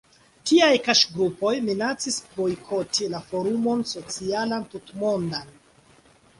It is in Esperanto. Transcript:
Tiaj kaŝgrupoj minacis bojkoti la Forumon Socialan Tutmondan.